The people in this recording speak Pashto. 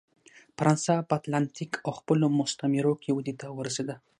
فرانسه په اتلانتیک او خپلو مستعمرو کې ودې ته ورسېده.